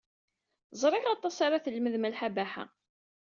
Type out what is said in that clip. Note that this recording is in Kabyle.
Ẓriɣ aṭas ara d-telmed Malḥa Baḥa.